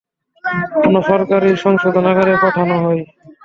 অন্য সরকারি সংশোধনাগারে পাঠানো হয়।